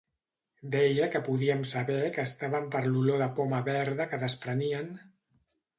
Deia que podíem saber que estaven per l'olor de poma verda que desprenien...